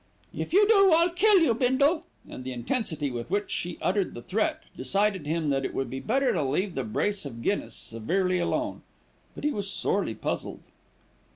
"If you do, I'll kill you, Bindle." And the intensity with which she uttered the threat decided him that it would be better to leave the brace of Guinness severely alone; but he was sorely puzzled.